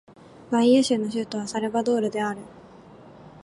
バイーア州の州都はサルヴァドールである